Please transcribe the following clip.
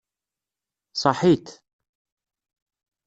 Ṣaḥit.